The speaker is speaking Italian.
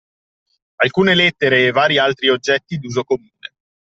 Alcune lettere e vari altri oggetti d'uso comune.